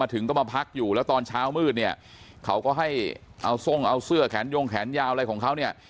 ถึงก็มาพักอยู่แล้วตอนเช้ามืดเนี่ยเขาก็ให้เอาทรงเอาเสื้อแขนยงแขนยาวอะไรของเขาเนี่ย